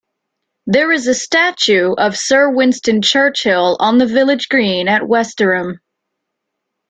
There is a statue of Sir Winston Churchill on the village green at Westerham.